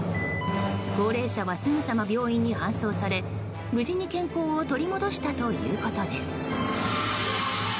高齢者はすぐさま病院に搬送され無事に健康を取り戻したということです。